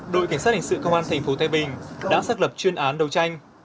đội cảnh sát hình sự công an tp thái bình đã xác lập chuyên án đấu tranh